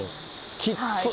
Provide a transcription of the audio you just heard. きっついわ。